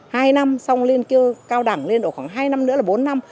hai năm xong lên cao đẳng lên khoảng hai năm nữa là bốn năm